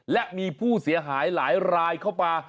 และมีผู้เสียหายหลายรายเข้ามา